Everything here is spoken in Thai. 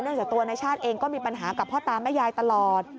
จากตัวนายชาติเองก็มีปัญหากับพ่อตาแม่ยายตลอด